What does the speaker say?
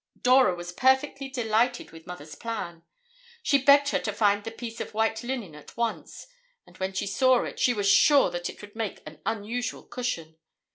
Dora was perfectly delighted with Mother's plan. She begged her to find the piece of white linen at once, and when she saw it, she was sure that it would make an unusual cushion.